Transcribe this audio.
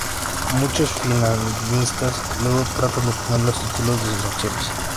Muchos financistas luego tratan de obtener los títulos de sus acciones.